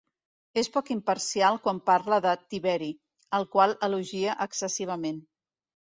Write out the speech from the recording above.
És poc imparcial quan parla de Tiberi, al qual elogia excessivament.